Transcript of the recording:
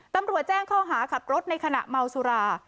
ตำรวจแจ้งข้อหาขับรถในขณะเมาสุรา